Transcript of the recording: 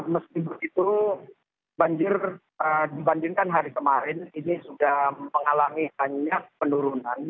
meskipun itu banjir dibandingkan hari kemarin ini sudah mengalami hanya penurunan